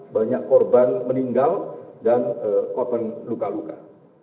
banyak korban meninggal dan korban luka luka